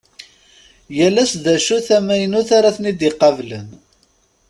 Yal ass d acu-t amaynut ara ten-id-iqablen.